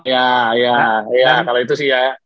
ya ya kalau itu sih ya